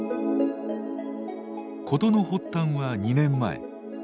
事の発端は２年前。